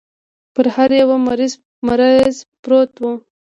پر هر يوه مريض پروت و.